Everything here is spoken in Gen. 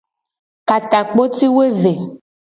Ka takpo ci wo eve.